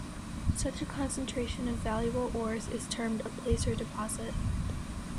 Such a concentration of valuable ores is termed a placer deposit.